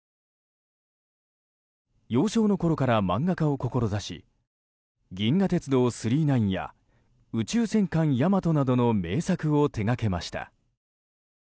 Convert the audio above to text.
幼少のころから漫画家を志し「銀河鉄道９９９」や「宇宙戦艦ヤマト」などの名作を手がけました。